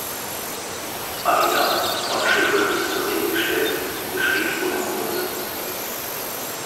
Maria, von Chevreuse zur Rede gestellt, gesteht unumwunden.